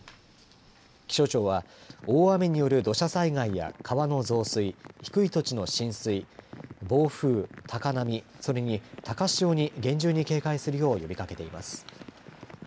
気象庁は大雨による土砂災害や川の増水低い土地の浸水暴風、高波それに高潮に厳重に警戒するよう呼びかけています。